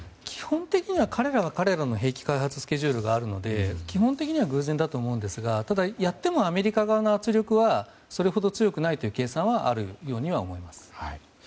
基本的には彼らの彼らの兵器開発スケジュールがあるので基本的には偶然だと思うんですがただ、やってもアメリカ側の圧力はそれほど強くないという計算はあるようには思います。